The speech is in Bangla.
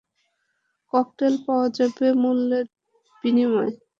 ককটেল পাওয়া যাবে মূল্যের বিনিময়ে।